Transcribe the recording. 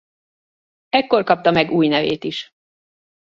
Ekkor kapta meg új nevét is.